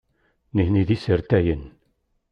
Nitni d isertayen.